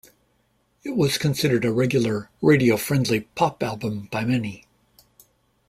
It was considered a regular radio-friendly pop album by many.